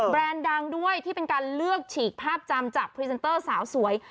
ดังด้วยที่เป็นการเลือกฉีกภาพจำจากพรีเซนเตอร์สาวสวย